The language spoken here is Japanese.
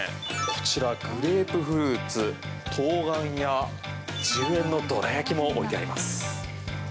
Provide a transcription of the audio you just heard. こちら、グレープフルーツトウガンや１０円のどら焼きも置いてあります。